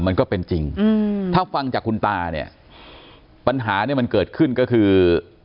มันก็เป็นจริงอืมถ้าฟังจากคุณตาเนี่ยปัญหาเนี่ยมันเกิดขึ้นก็คือ